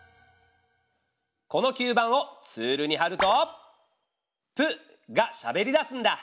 この吸盤をツールにはると「プ」がしゃべりだすんだ。